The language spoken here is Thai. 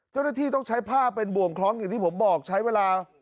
เจ้าหน้าที่ต้องใช้ผ้าเป็นบ่วงคล้องอย่างที่ผมบอกใช้เวลา